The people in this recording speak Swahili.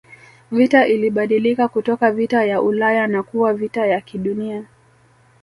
Vita ilibadilika kutoka vita ya Ulaya na kuwa vita ya kidunia